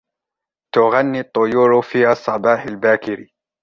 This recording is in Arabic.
تغني الطيور في الصباح الباكر.